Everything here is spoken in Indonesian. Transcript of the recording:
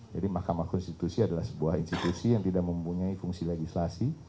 jadi mahkamah konstitusi adalah sebuah institusi yang tidak mempunyai fungsi legislasi